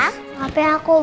pape aku bosen